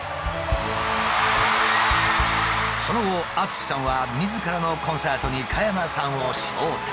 その後ＡＴＳＵＳＨＩさんはみずからのコンサートに加山さんを招待。